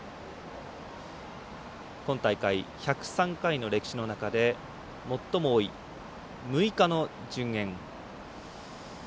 今大会、１０３回の歴史の中で最も多い６日の順延。